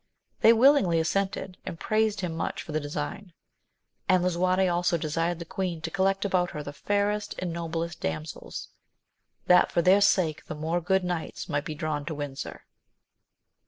They willingly assented, and praised him much for the design ; and lisuarte also desired the queen to collect about her the fairest and noblest damsels, that for their sake the more good knights might be drawn to Windsor.